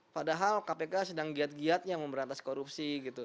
padahal kpk sedang giat giatnya memberantas korupsi gitu